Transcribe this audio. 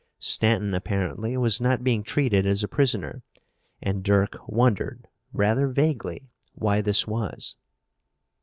Stanton, apparently, was not being treated as a prisoner and Dirk wondered, rather vaguely, why this was.